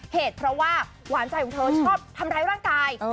เหตุเพราะว่าหวานใจของเธอชอบทำร้ายร่างกาย